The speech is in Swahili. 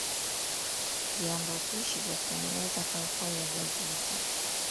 Viambaupishi vya kutengeneza kaukau ya viazi lishe